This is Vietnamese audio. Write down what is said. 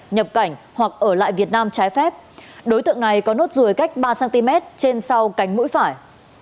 nhập cảnh hoặc ở lại việt nam trái phép đối tượng này có nốt ruồi cách ba cm trên sau cánh mũi phải